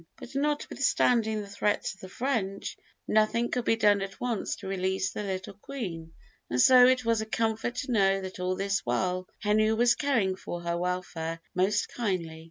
But, notwithstanding the threats of the French, nothing could be done at once to release the little Queen, and so it was a comfort to know that all this while Henry was caring for her welfare most kindly."